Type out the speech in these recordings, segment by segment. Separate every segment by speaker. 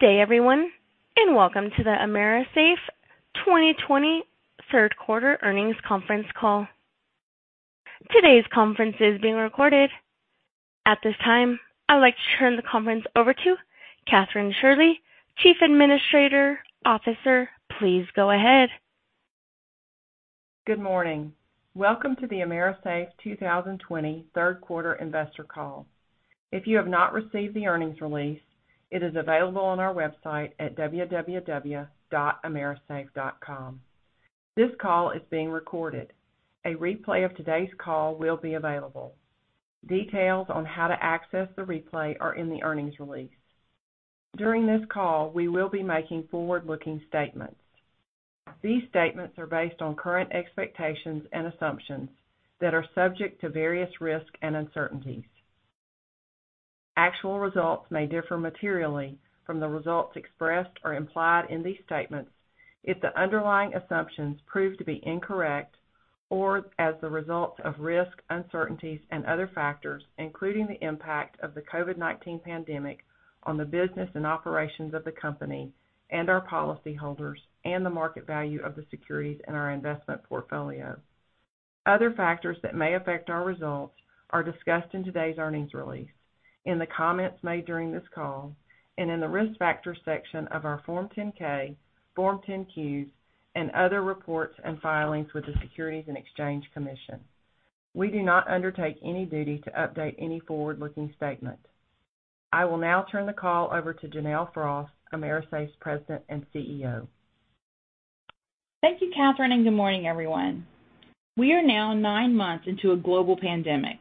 Speaker 1: Good day, everyone, and welcome to the AMERISAFE 2020 third quarter earnings conference call. Today's conference is being recorded. At this time, I'd like to turn the conference over to Kathryn Shirley, Chief Administrative Officer. Please go ahead.
Speaker 2: Good morning. Welcome to the AMERISAFE 2020 third quarter investor call. If you have not received the earnings release, it is available on our website at www.amerisafe.com. This call is being recorded. A replay of today's call will be available. Details on how to access the replay are in the earnings release. During this call, we will be making forward-looking statements. These statements are based on current expectations and assumptions that are subject to various risks and uncertainties. Actual results may differ materially from the results expressed or implied in these statements if the underlying assumptions prove to be incorrect or as the result of risks, uncertainties, and other factors, including the impact of the COVID-19 pandemic on the business and operations of the company and our policyholders and the market value of the securities in our investment portfolio. Other factors that may affect our results are discussed in today's earnings release, in the comments made during this call, and in the Risk Factors section of our Form 10-K, Form 10-Qs, and other reports and filings with the Securities and Exchange Commission. We do not undertake any duty to update any forward-looking statement. I will now turn the call over to Janelle Frost, AMERISAFE's President and CEO.
Speaker 3: Thank you, Kathryn, good morning, everyone. We are now nine months into a global pandemic.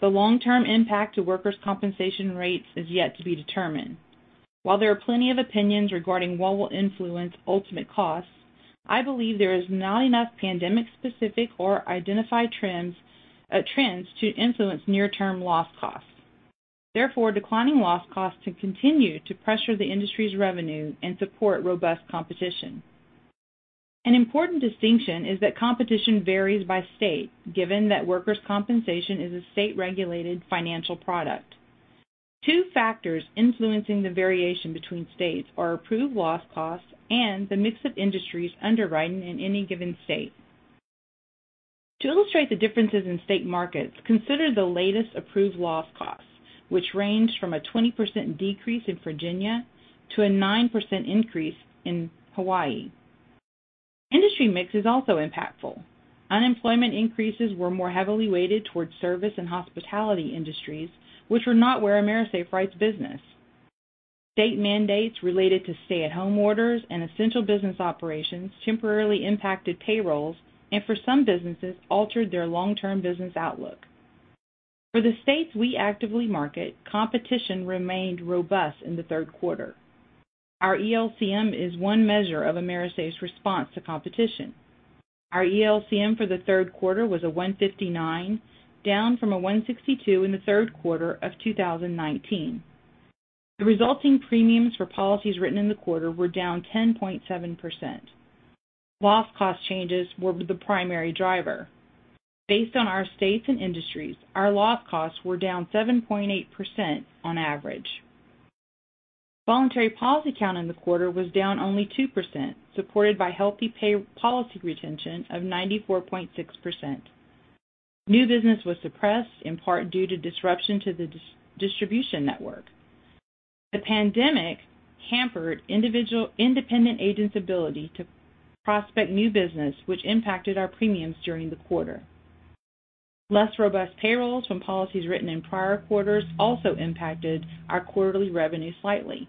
Speaker 3: The long-term impact to workers' compensation rates is yet to be determined. While there are plenty of opinions regarding what will influence ultimate costs, I believe there is not enough pandemic-specific or identified trends to influence near-term loss costs. Therefore, declining loss costs can continue to pressure the industry's revenue and support robust competition. An important distinction is that competition varies by state, given that workers' compensation is a state-regulated financial product. Two factors influencing the variation between states are approved loss costs and the mix of industries underwriting in any given state. To illustrate the differences in state markets, consider the latest approved loss costs, which range from a 20% decrease in Virginia to a 9% increase in Hawaii. Industry mix is also impactful. Unemployment increases were more heavily weighted towards service and hospitality industries, which were not where AMERISAFE writes business. State mandates related to stay-at-home orders and essential business operations temporarily impacted payrolls and, for some businesses, altered their long-term business outlook. For the states we actively market, competition remained robust in the third quarter. Our ELCM is one measure of AMERISAFE's response to competition. Our ELCM for the third quarter was 159, down from 162 in the third quarter of 2019. The resulting premiums for policies written in the quarter were down 10.7%. Loss cost changes were the primary driver. Based on our states and industries, our loss costs were down 7.8% on average. Voluntary policy count in the quarter was down only 2%, supported by healthy policy retention of 94.6%. New business was suppressed, in part due to disruption to the distribution network. The pandemic hampered independent agents' ability to prospect new business, which impacted our premiums during the quarter. Less robust payrolls from policies written in prior quarters also impacted our quarterly revenue slightly.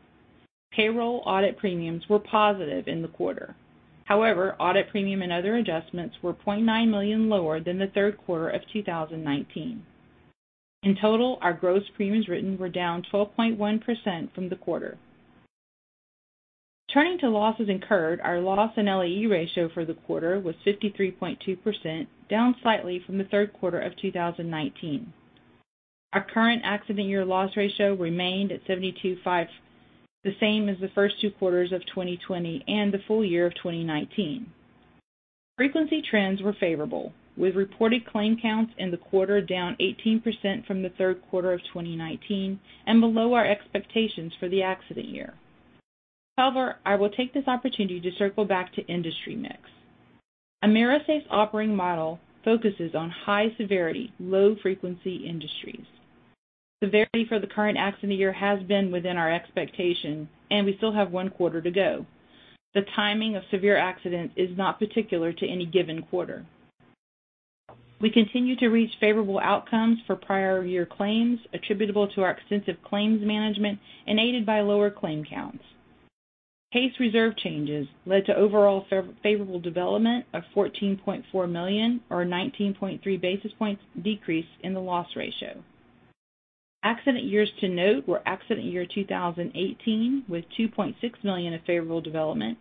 Speaker 3: Payroll audit premiums were positive in the quarter. However, audit premium and other adjustments were $0.9 million lower than the third quarter of 2019. In total, our gross premiums written were down 12.1% from the quarter. Turning to losses incurred, our loss and LAE ratio for the quarter was 53.2%, down slightly from the third quarter of 2019. Our current accident year loss ratio remained at 72.5, the same as the first two quarters of 2020 and the full year of 2019. Frequency trends were favorable, with reported claim counts in the quarter down 18% from the third quarter of 2019 and below our expectations for the accident year. However, I will take this opportunity to circle back to industry mix. AMERISAFE's operating model focuses on high-severity, low-frequency industries. Severity for the current accident year has been within our expectation, and we still have one quarter to go. The timing of severe accidents is not particular to any given quarter. We continue to reach favorable outcomes for prior year claims attributable to our extensive claims management and aided by lower claim counts. Case reserve changes led to overall favorable development of $14.4 million or 19.3 basis points decrease in the loss ratio. Accident years to note were accident year 2018 with $2.6 million of favorable development,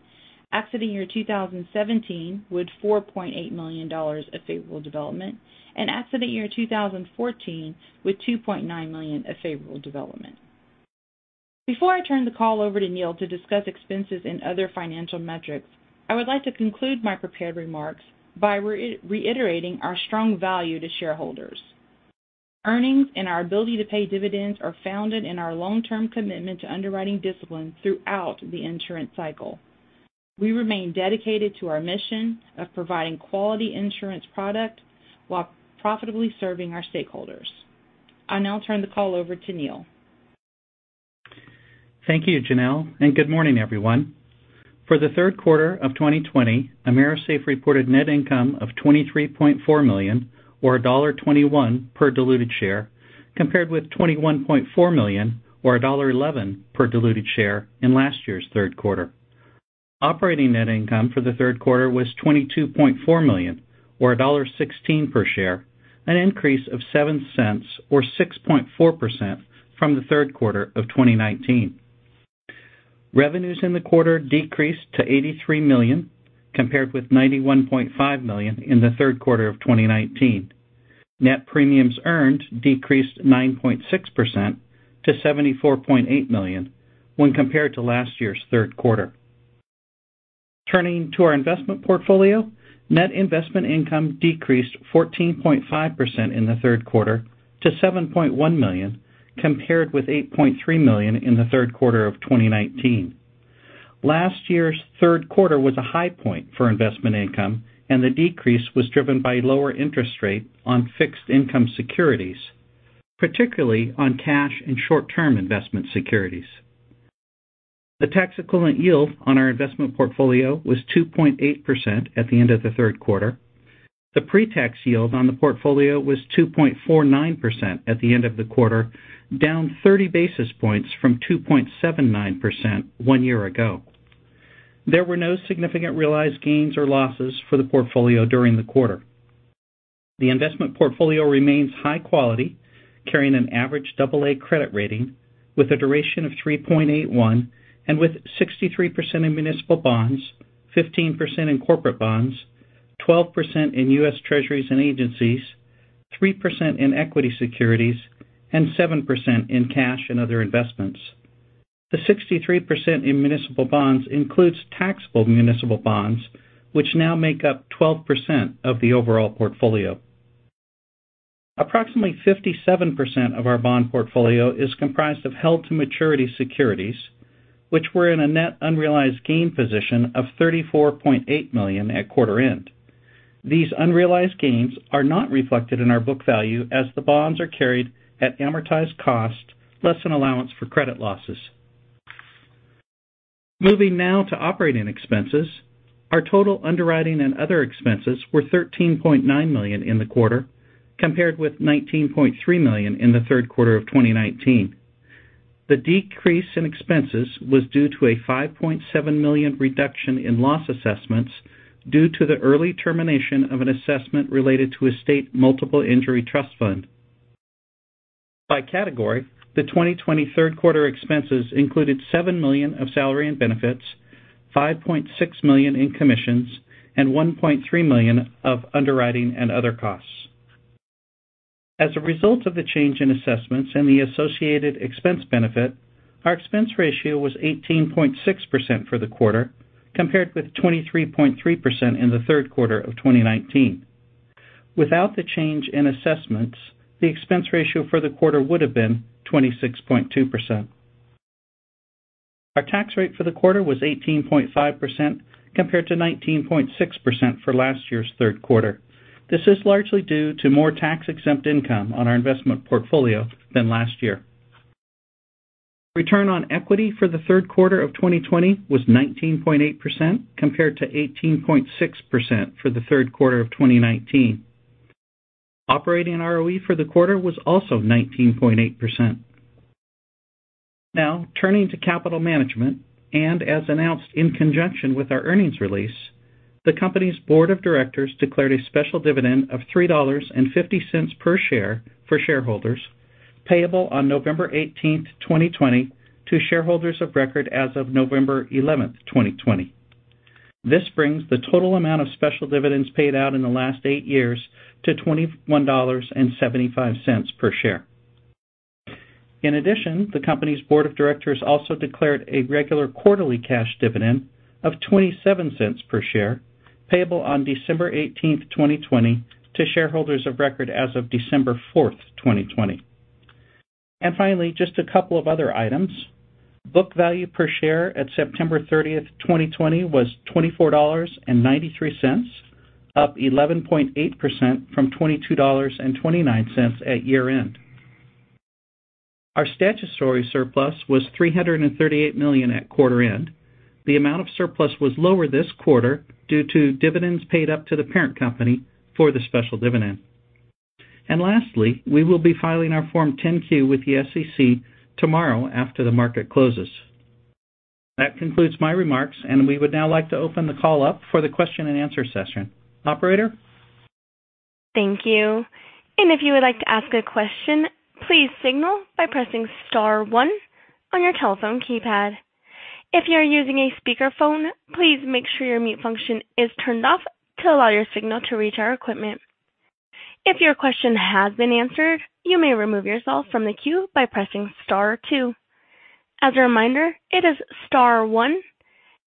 Speaker 3: accident year 2017 with $4.8 million of favorable development, and accident year 2014 with $2.9 million of favorable development. Before I turn the call over to Neal to discuss expenses and other financial metrics, I would like to conclude my prepared remarks by reiterating our strong value to shareholders. Earnings and our ability to pay dividends are founded in our long-term commitment to underwriting discipline throughout the insurance cycle. We remain dedicated to our mission of providing quality insurance product while profitably serving our stakeholders. I'll now turn the call over to Neal.
Speaker 4: Thank you, Janelle, and good morning, everyone. For the third quarter of 2020, AMERISAFE reported net income of $23.4 million, or $1.21 per diluted share, compared with $21.4 million or $1.11 per diluted share in last year's third quarter. Operating net income for the third quarter was $22.4 million or $1.16 per share, an increase of $0.07 or 6.4% from the third quarter of 2019. Revenues in the quarter decreased to $83 million compared with $91.5 million in the third quarter of 2019. Net premiums earned decreased 9.6% to $74.8 million when compared to last year's third quarter. Turning to our investment portfolio, net investment income decreased 14.5% in the third quarter to $7.1 million, compared with $8.3 million in the third quarter of 2019. Last year's third quarter was a high point for investment income. The decrease was driven by lower interest rate on fixed income securities, particularly on cash and short-term investment securities. The tax-equivalent yield on our investment portfolio was 2.8% at the end of the third quarter. The pre-tax yield on the portfolio was 2.49% at the end of the quarter, down 30 basis points from 2.79% one year ago. There were no significant realized gains or losses for the portfolio during the quarter. The investment portfolio remains high quality, carrying an average double A credit rating with a duration of 3.81 and with 63% in municipal bonds, 15% in corporate bonds, 12% in U.S. Treasuries and agencies, 3% in equity securities, and 7% in cash and other investments. The 63% in municipal bonds includes taxable municipal bonds, which now make up 12% of the overall portfolio. Approximately 57% of our bond portfolio is comprised of held-to-maturity securities, which were in a net unrealized gain position of $34.8 million at quarter end. These unrealized gains are not reflected in our book value as the bonds are carried at amortized cost, less an allowance for credit losses. Moving now to operating expenses, our total underwriting and other expenses were $13.9 million in the quarter, compared with $19.3 million in the third quarter of 2019. The decrease in expenses was due to a $5.7 million reduction in loss assessments due to the early termination of an assessment related to a state multiple injury trust fund. By category, the 2020 third-quarter expenses included $7 million of salary and benefits, $5.6 million in commissions, and $1.3 million of underwriting and other costs. As a result of the change in assessments and the associated expense benefit, our expense ratio was 18.6% for the quarter, compared with 23.3% in the third quarter of 2019. Without the change in assessments, the expense ratio for the quarter would have been 26.2%. Our tax rate for the quarter was 18.5%, compared to 19.6% for last year's third quarter. This is largely due to more tax-exempt income on our investment portfolio than last year. Return on equity for the third quarter of 2020 was 19.8%, compared to 18.6% for the third quarter of 2019. Operating ROE for the quarter was also 19.8%. Now turning to capital management. As announced in conjunction with our earnings release, the company's board of directors declared a special dividend of $3.50 per share for shareholders payable on November 18th, 2020, to shareholders of record as of November 11th, 2020. This brings the total amount of special dividends paid out in the last eight years to $21.75 per share. The company's board of directors also declared a regular quarterly cash dividend of $0.27 per share payable on December 18, 2020, to shareholders of record as of December 4, 2020. Finally, just a couple of other items. book value per share at September 30, 2020, was $24.93, up 11.8% from $22.29 at year-end. Our statutory surplus was $338 million at quarter end. The amount of surplus was lower this quarter due to dividends paid up to the parent company for the special dividend. Lastly, we will be filing our Form 10-Q with the SEC tomorrow after the market closes. That concludes my remarks, and we would now like to open the call up for the question-and-answer session. Operator?
Speaker 1: Thank you. If you would like to ask a question, please signal by pressing star one on your telephone keypad. If you are using a speakerphone, please make sure your mute function is turned off to allow your signal to reach our equipment. If your question has been answered, you may remove yourself from the queue by pressing star two. As a reminder, it is star one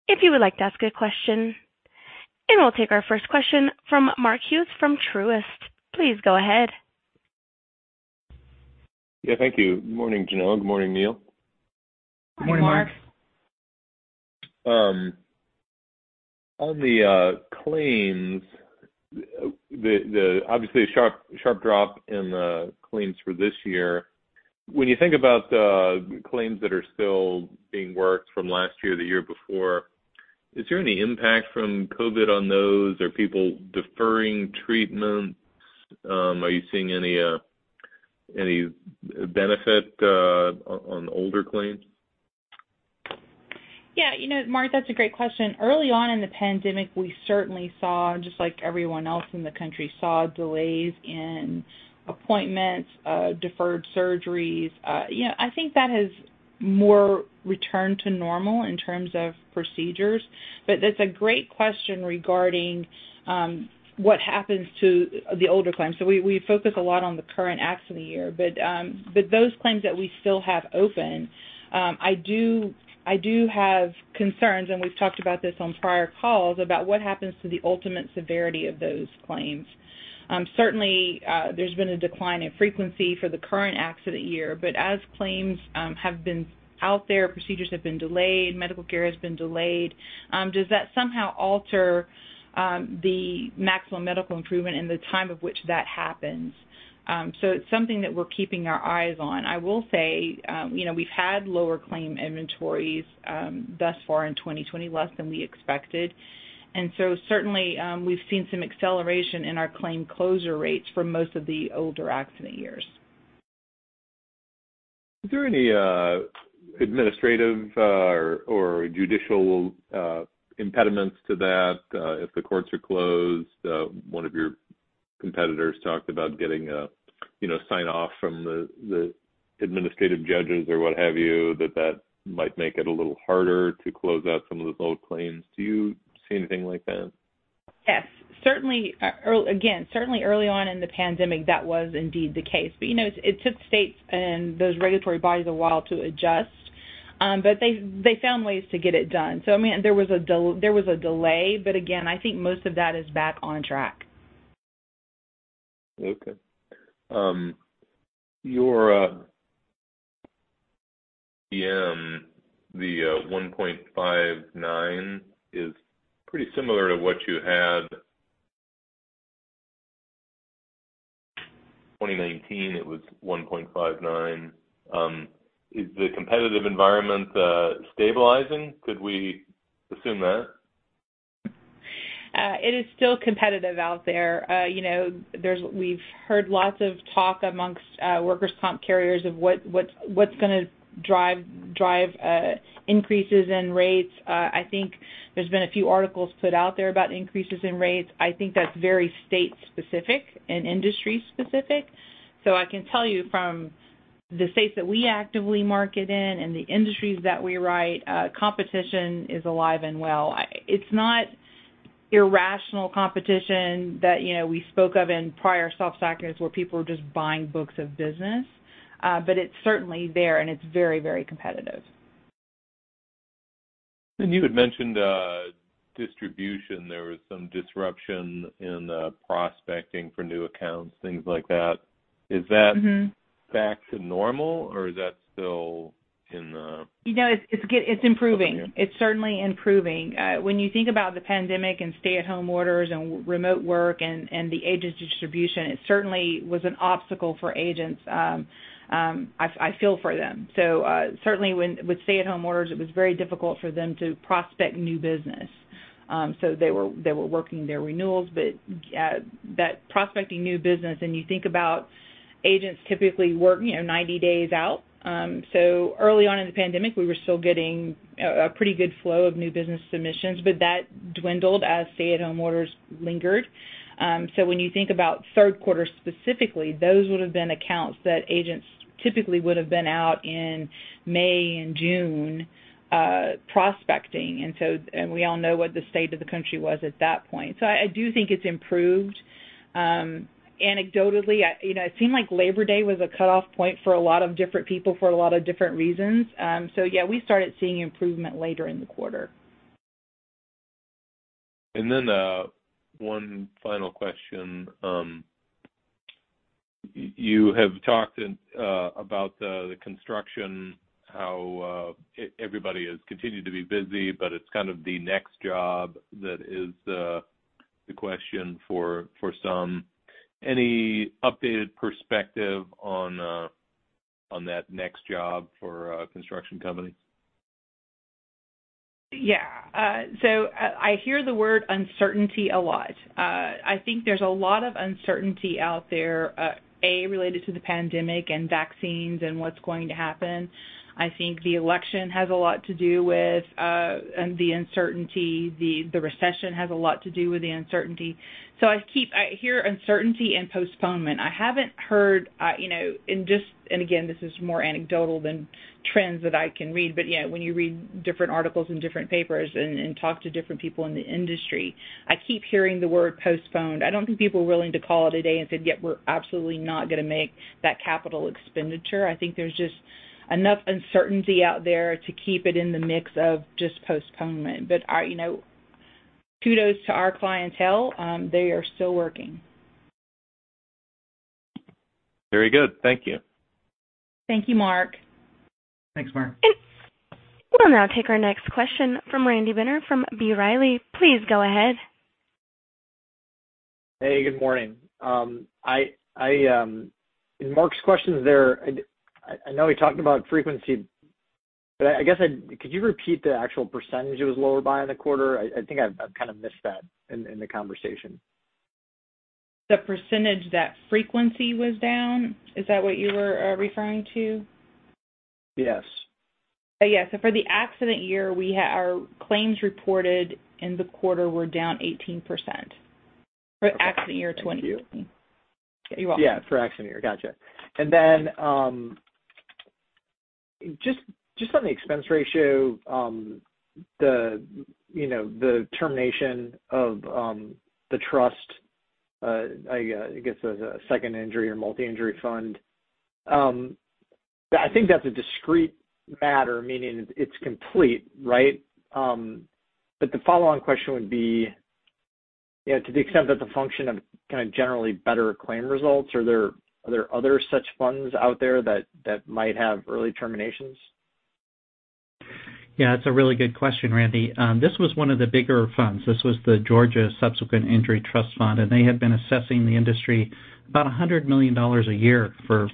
Speaker 1: if you would like to ask a question We'll take our first question from Mark Hughes from Truist. Please go ahead.
Speaker 5: Thank you. Good morning, Janelle. Good morning, Neal.
Speaker 3: Morning, Mark.
Speaker 5: On the claims, obviously a sharp drop in the claims for this year. When you think about the claims that are still being worked from last year or the year before, is there any impact from COVID-19 on those? Are people deferring treatments? Are you seeing any benefit on older claims?
Speaker 3: Yeah, Mark, that's a great question. Early on in the pandemic, we certainly saw, just like everyone else in the country saw, delays in appointments, deferred surgeries. I think that has more returned to normal in terms of procedures. That's a great question regarding what happens to the older claims. We focus a lot on the current accident year. Those claims that we still have open, I do have concerns, and we've talked about this on prior calls, about what happens to the ultimate severity of those claims. Certainly, there's been a decline in frequency for the current accident year. As claims have been out there, procedures have been delayed, medical care has been delayed, does that somehow alter the maximum medical improvement and the time of which that happens? It's something that we're keeping our eyes on. I will say, we've had lower claim inventories thus far in 2020, less than we expected. Certainly, we've seen some acceleration in our claim closure rates for most of the older accident years.
Speaker 5: Is there any administrative or judicial impediments to that if the courts are closed? One of your competitors talked about getting a sign-off from the administrative judges or what have you, that that might make it a little harder to close out some of those old claims. Do you see anything like that?
Speaker 3: Yes. Again, certainly early on in the pandemic, that was indeed the case. It took states and those regulatory bodies a while to adjust. They found ways to get it done. I mean, there was a delay, but again, I think most of that is back on track.
Speaker 5: Okay. Your CM, the 1.59, is pretty similar to what you had 2019, it was 1.59. Is the competitive environment stabilizing? Could we assume that?
Speaker 3: It is still competitive out there. We've heard lots of talk amongst workers' comp carriers of what's going to drive increases in rates. I think there's been a few articles put out there about increases in rates. I think that's very state specific and industry specific. I can tell you from the states that we actively market in and the industries that we write, competition is alive and well. It's not irrational competition that we spoke of in prior soft sectors where people were just buying books of business. It's certainly there, and it's very competitive.
Speaker 5: You had mentioned distribution. There was some disruption in the prospecting for new accounts, things like that. Is that back to normal, or is that still in the-
Speaker 3: It's improving.
Speaker 5: Okay.
Speaker 3: It's certainly improving. When you think about the pandemic and stay-at-home orders and remote work and the agent distribution, it certainly was an obstacle for agents. I feel for them. Certainly with stay-at-home orders, it was very difficult for them to prospect new business. They were working their renewals, but that prospecting new business. You think about agents typically work 90 days out. Early on in the pandemic, we were still getting a pretty good flow of new business submissions, but that dwindled as stay-at-home orders lingered. When you think about third quarter specifically, those would have been accounts that agents typically would have been out in May and June prospecting. We all know what the state of the country was at that point. I do think it's improved. Anecdotally, it seemed like Labor Day was a cutoff point for a lot of different people for a lot of different reasons. Yeah, we started seeing improvement later in the quarter.
Speaker 5: One final question. You have talked about the construction, how everybody has continued to be busy, but it's kind of the next job that is the question for some. Any updated perspective on that next job for construction companies?
Speaker 3: Yeah. I hear the word uncertainty a lot. I think there's a lot of uncertainty out there, A, related to the pandemic and vaccines and what's going to happen. I think the election has a lot to do with the uncertainty. The recession has a lot to do with the uncertainty. I hear uncertainty and postponement. I haven't heard, and again, this is more anecdotal than trends that I can read, but when you read different articles in different papers and talk to different people in the industry, I keep hearing the word postponed. I don't think people are willing to call it a day and say, "Yep, we're absolutely not going to make that capital expenditure." I think there's just enough uncertainty out there to keep it in the mix of just postponement. Kudos to our clientele. They are still working.
Speaker 5: Very good. Thank you.
Speaker 3: Thank you, Mark.
Speaker 4: Thanks, Mark.
Speaker 1: We'll now take our next question from Randy Binner from B. Riley. Please go ahead.
Speaker 6: Hey, good morning. In Mark's questions there, I know he talked about frequency, I guess, could you repeat the actual percentage it was lower by in the quarter? I think I've kind of missed that in the conversation.
Speaker 3: The percentage that frequency was down? Is that what you were referring to?
Speaker 6: Yes.
Speaker 3: Yes. For the accident year, our claims reported in the quarter were down 18%. For accident year 2020.
Speaker 6: Thank you.
Speaker 3: You're welcome.
Speaker 6: Yeah, for accident year, got you. Then, just on the expense ratio, the termination of the trust, I guess as a second injury or multi-injury fund. I think that's a discrete matter, meaning it's complete, right? The follow-on question would be to the extent that the function of kind of generally better claim results, are there other such funds out there that might have early terminations?
Speaker 4: Yeah, it's a really good question, Randy. This was one of the bigger funds. This was the Georgia Subsequent Injury Trust Fund, and they had been assessing the industry about $100 million a year for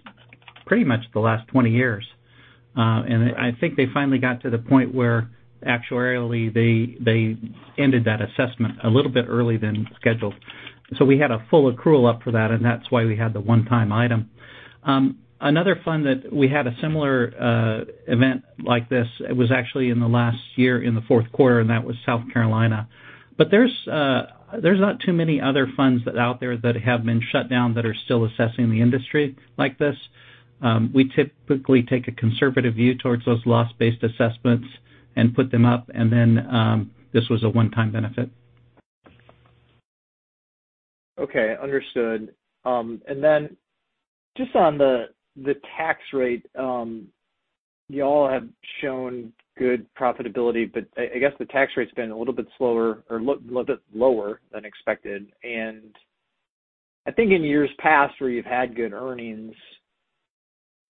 Speaker 4: pretty much the last 20 years. I think they finally got to the point where actuarially, they ended that assessment a little bit early than scheduled. We had a full accrual up for that, and that's why we had the one-time item. Another fund that we had a similar event like this, it was actually in the last year in the fourth quarter, and that was South Carolina. There's not too many other funds that are out there that have been shut down that are still assessing the industry like this. We typically take a conservative view towards those loss-based assessments and put them up, and then this was a one-time benefit.
Speaker 6: Okay, understood. Just on the tax rate, y'all have shown good profitability, I guess the tax rate's been a little bit slower or a little bit lower than expected. I think in years past where you've had good earnings,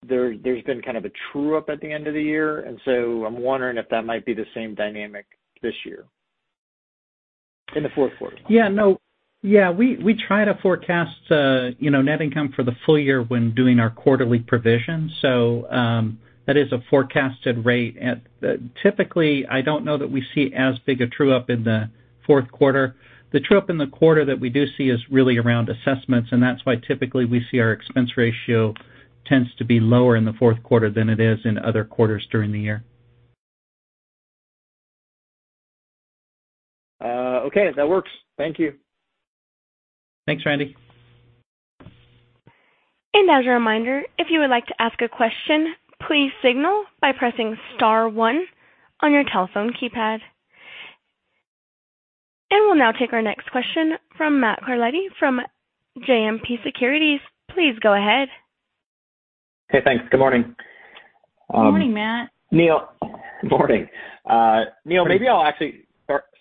Speaker 6: there's been kind of a true-up at the end of the year, I'm wondering if that might be the same dynamic this year in the fourth quarter.
Speaker 4: Yeah. We try to forecast net income for the full year when doing our quarterly provision. That is a forecasted rate. Typically, I don't know that we see as big a true-up in the fourth quarter. The true-up in the quarter that we do see is really around assessments, and that's why typically we see our expense ratio tends to be lower in the fourth quarter than it is in other quarters during the year.
Speaker 6: Okay, that works. Thank you.
Speaker 4: Thanks, Randy.
Speaker 1: As a reminder, if you would like to ask a question, please signal by pressing star one on your telephone keypad. We'll now take our next question from Matt Carletti from JMP Securities. Please go ahead.
Speaker 7: Okay, thanks. Good morning.
Speaker 3: Good morning, Matt.
Speaker 7: Neal. Morning. Neal, maybe I'll actually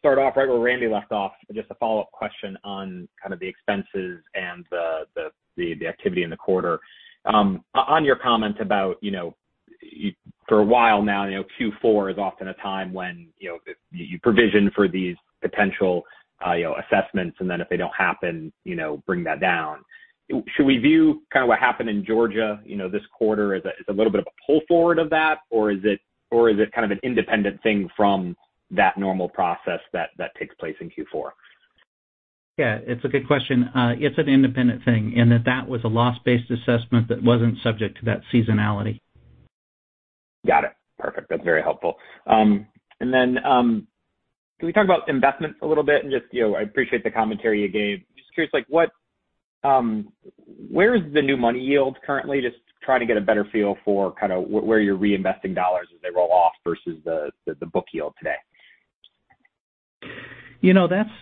Speaker 7: start off right where Randy left off. Just a follow-up question on kind of the expenses and the activity in the quarter. On your comment about for a while now, Q4 is often a time when you provision for these potential assessments and then if they don't happen, bring that down. Should we view kind of what happened in Georgia this quarter as a little bit of a pull forward of that, or is it kind of an independent thing from that normal process that takes place in Q4?
Speaker 4: Yeah, it's a good question. It's an independent thing, and that was a loss-based assessment that wasn't subject to that seasonality.
Speaker 7: Got it. Perfect. That's very helpful. Then, can we talk about investments a little bit and just, I appreciate the commentary you gave. Just curious, where is the new money yield currently? Just trying to get a better feel for kind of where you're reinvesting dollars as they roll off versus the book yield today.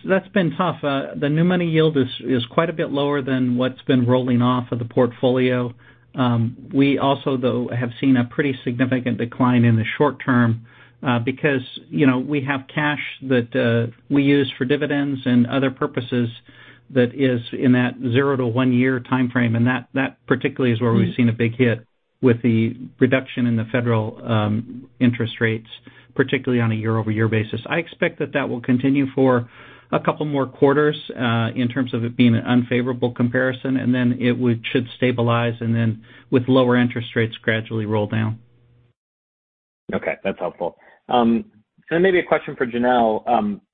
Speaker 4: That's been tough. The new money yield is quite a bit lower than what's been rolling off of the portfolio. We also, though, have seen a pretty significant decline in the short term because we have cash that we use for dividends and other purposes that is in that zero to one year timeframe, and that particularly is where we've seen a big hit with the reduction in the federal interest rates, particularly on a year-over-year basis. I expect that that will continue for a couple more quarters in terms of it being an unfavorable comparison. Then it should stabilize, then with lower interest rates gradually roll down.
Speaker 7: Okay, that's helpful. Then maybe a question for Janelle.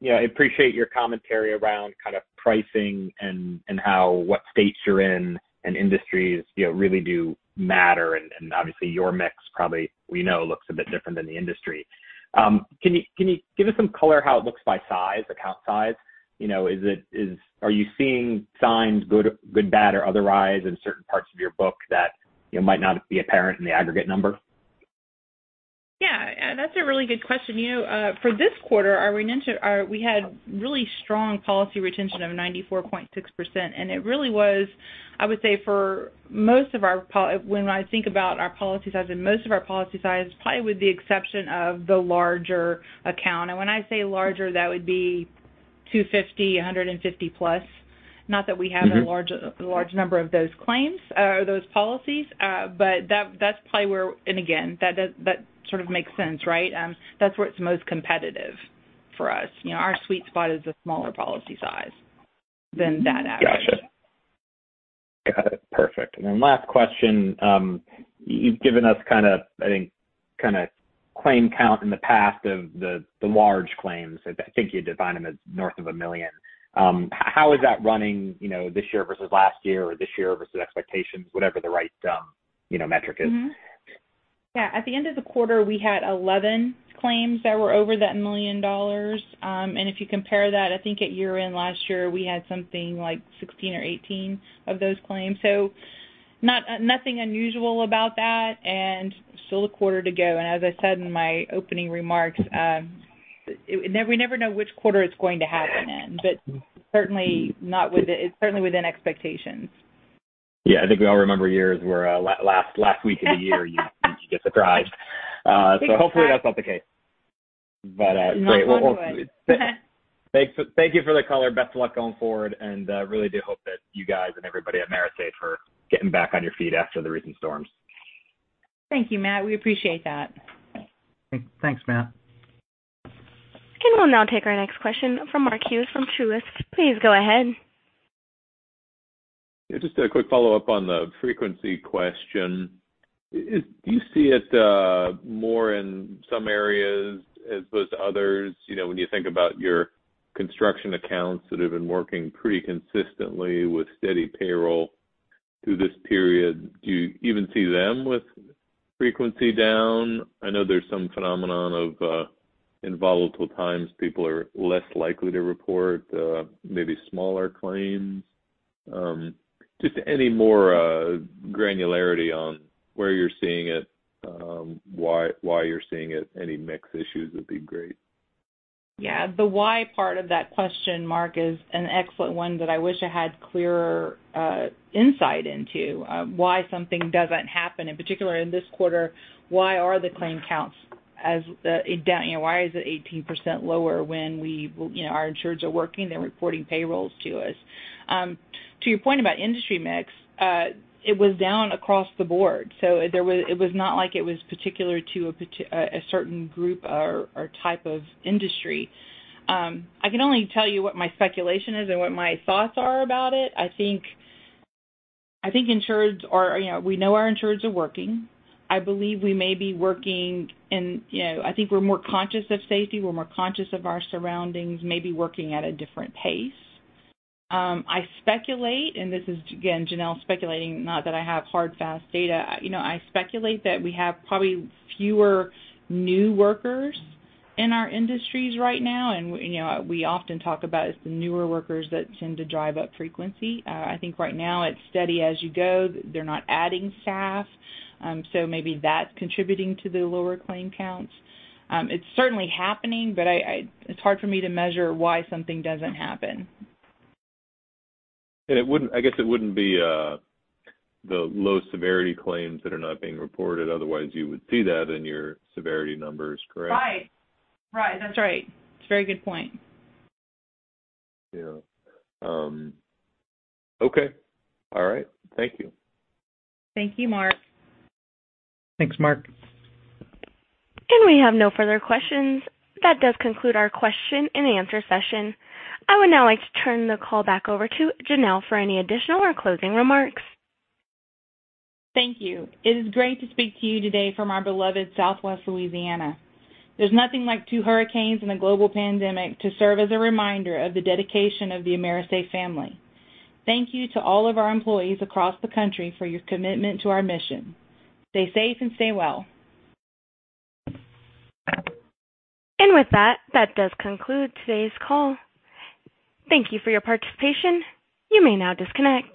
Speaker 7: I appreciate your commentary around kind of pricing and how, what states you're in and industries really do matter, and obviously your mix probably we know looks a bit different than the industry. Can you give us some color how it looks by size, account size? Are you seeing signs, good, bad, or otherwise in certain parts of your book that might not be apparent in the aggregate number?
Speaker 3: That's a really good question. For this quarter, we had really strong policy retention of 94.6%, it really was, I would say for most of our policy size, probably with the exception of the larger account. When I say larger, that would be 250, 150 plus. Not that we have- a large number of those claims or those policies, but that's probably where Again, that sort of makes sense, right? That's where it's most competitive for us. Our sweet spot is the smaller policy size than that, actually.
Speaker 7: Got it. Perfect. Last question. You've given us, I think, claim count in the past of the large claims. I think you define them as north of $1 million. How is that running this year versus last year or this year versus expectations, whatever the right metric is?
Speaker 3: At the end of the quarter, we had 11 claims that were over that $1 million. If you compare that, I think at year-end last year, we had something like 16 or 18 of those claims. Nothing unusual about that, and still a quarter to go. As I said in my opening remarks, we never know which quarter it's going to happen in. It's certainly within expectations.
Speaker 7: Yeah. I think we all remember years where last week of the year- you'd get surprised. Hopefully that's not the case. Great.
Speaker 3: Knock on wood.
Speaker 7: Thank you for the color. Best of luck going forward, and really do hope that you guys and everybody at AMERISAFE are getting back on your feet after the recent storms.
Speaker 3: Thank you, Matt. We appreciate that.
Speaker 4: Thanks, Matt.
Speaker 1: We'll now take our next question from Mark Hughes from Truist. Please go ahead.
Speaker 5: Yeah, just a quick follow-up on the frequency question. Do you see it more in some areas as opposed to others? When you think about your construction accounts that have been working pretty consistently with steady payroll through this period, do you even see them with frequency down? I know there's some phenomenon of, in volatile times, people are less likely to report maybe smaller claims. Just any more granularity on where you're seeing it, why you're seeing it, any mix issues would be great.
Speaker 3: Yeah. The why part of that question, Mark, is an excellent one that I wish I had clearer insight into. Why something doesn't happen, in particular in this quarter, why are the claim counts as down? Why is it 18% lower when our insureds are working, they're reporting payrolls to us? To your point about industry mix, it was down across the board. It was not like it was particular to a certain group or type of industry. I can only tell you what my speculation is and what my thoughts are about it. We know our insureds are working. I think we're more conscious of safety. We're more conscious of our surroundings, maybe working at a different pace. I speculate, and this is, again, Janelle speculating, not that I have hard, fast data. I speculate that we have probably fewer new workers in our industries right now. We often talk about it's the newer workers that tend to drive up frequency. I think right now it's steady as you go. They're not adding staff. Maybe that's contributing to the lower claim counts. It's certainly happening, but it's hard for me to measure why something doesn't happen.
Speaker 5: I guess it wouldn't be the low-severity claims that are not being reported. Otherwise, you would see that in your severity numbers, correct?
Speaker 3: Right. That's right. It's a very good point.
Speaker 5: Yeah. Okay. All right. Thank you.
Speaker 3: Thank you, Mark.
Speaker 4: Thanks, Mark.
Speaker 1: We have no further questions. That does conclude our question and answer session. I would now like to turn the call back over to Janelle for any additional or closing remarks.
Speaker 3: Thank you. It is great to speak to you today from our beloved Southwest Louisiana. There's nothing like two hurricanes and a global pandemic to serve as a reminder of the dedication of the AMERISAFE family. Thank you to all of our employees across the country for your commitment to our mission. Stay safe and stay well.
Speaker 1: With that does conclude today's call. Thank you for your participation. You may now disconnect.